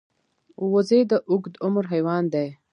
وزې د اوږد عمر حیوان دی